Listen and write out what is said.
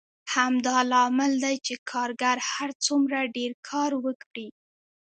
همدا لامل دی چې کارګر هر څومره ډېر کار وکړي